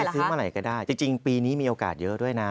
ซื้อเมื่อไหร่ก็ได้จริงปีนี้มีโอกาสเยอะด้วยนะ